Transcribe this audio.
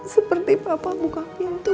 seperti papa buka pintu